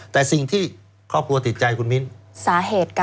แต่สิ่งที่ครอบครัวติดใจคุณมิ้นสาเหตุกัน